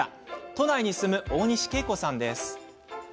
都内に住む大西啓子さんです。